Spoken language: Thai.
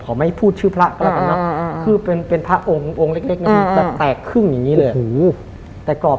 กรอบไม่เป็นอะไรเลยนะครับ